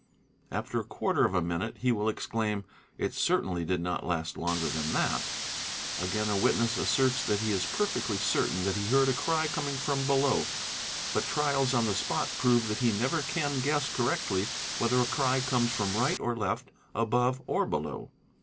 After a quarter of a minute he will exclaim, "It certainly did not last longer than that." Again a 'witness asserts that he is perfectly certain that he heard a cry coming Trom below, but trials on the spot prove that he never can guess cor "rectly whether a cry comes from right or left, above or below.